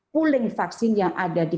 pooling vaksin yang ada di